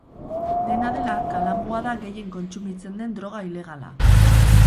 Dena dela, kalamua da gehien kontsumitzen den droga ilegala.